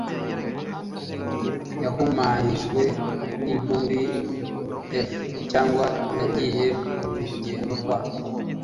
yahumanyijwe n intumbi f cyangwa yagiye mu rugendo rwa